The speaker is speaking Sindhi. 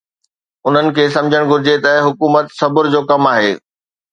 انهن کي سمجهڻ گهرجي ته حڪومت صبر جو ڪم آهي.